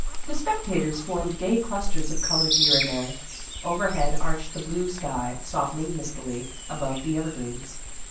The spectators formed gay clusters of color here and there. Overhead arched the blue sky, softening mistily above the evergreens.